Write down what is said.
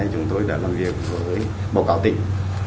chúng tôi đã làm việc với báo cáo tỉnh